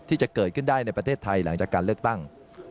ที่จะเกิดขึ้นได้ในประเทศไทยหลังจากการเลือกตั้ง